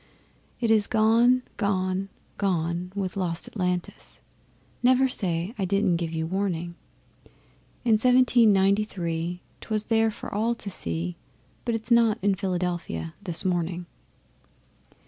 It is gone, gone, gone with lost Atlantis (Never say I didn't give you warning). In Seventeen Ninety three 'twas there for all to see, But it's not in Philadelphia this morning.